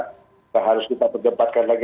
nggak harus kita berdebatkan lagi